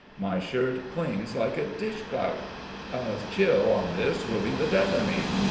My shirt clings like a dish clout; a chill on this will be the death o' me.